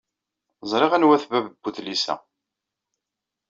Ẓriɣ anwa-t bab n wedlis-a.